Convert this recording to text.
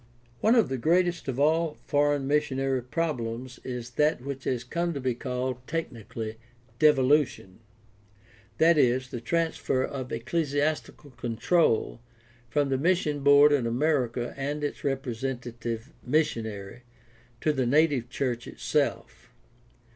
One of the greatest of all foreign missionary problems is that which has come to be called technically "devolution," 638 GUIDE TO STUDY OF CHRISTIAN RELIGIOxN that is, the transfer of ecclesiastical control from the mission board in America and its representative missionary to the native church itself.